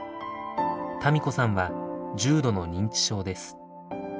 多美子さんは重度の認知症です。